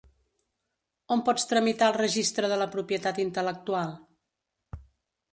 On pots tramitar el Registre de la Propietat Intel·lectual?